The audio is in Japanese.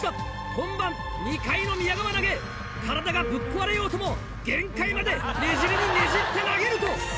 本番２回の宮川投げ体がぶっ壊れようとも限界までねじりにねじって投げると。